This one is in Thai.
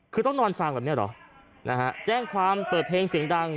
คือต้องนอนฟังแบบนี้เหรอนะฮะแจ้งความเปิดเพลงเสียงดัง